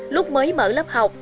lúc mới mở lớp học